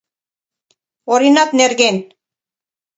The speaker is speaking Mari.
— Оринат нерген.